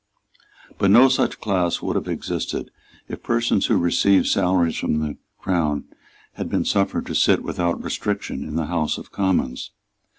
But no such class would have existed if persons who received salaries from the Crown had been suffered to sit without restriction in the House of Commons.